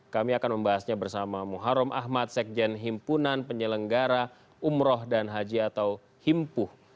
kami akan membahasnya bersama muharrem ahmad sekjen himpunan penyelenggara umroh dan haji atau himpuh